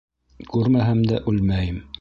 Күрмәһәм дә үлмәйем.